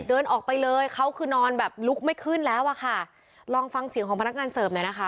เดินออกไปเลยเขาคือนอนแบบลุกไม่ขึ้นแล้วอ่ะค่ะลองฟังเสียงของพนักงานเสิร์ฟหน่อยนะคะ